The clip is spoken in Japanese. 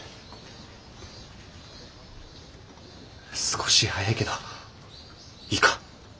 少し早いけどいいか。